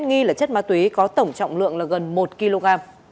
nghi là chất ma túy có tổng trọng lượng là gần một kg